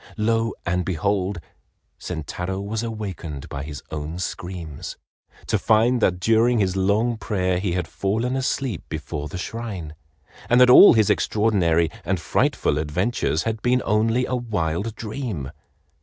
Lo, and behold, Sentaro was awakened by his own screams, to find that during his long prayer he had fallen asleep before the shrine, and that all his extraordinary and frightful adventures had been only a wild dream.